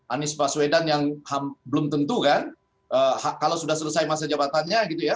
anies baswedan yang belum tentu kan kalau sudah selesai masa jabatannya gitu ya